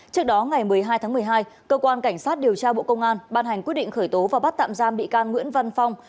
trước đó ngày một mươi hai tháng một mươi hai cơ quan cảnh sát điều tra bộ công an ban hành quyết định khởi tố và bắt tạm giam bị can nguyễn văn phong